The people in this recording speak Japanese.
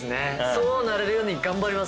そうなれるように頑張ります。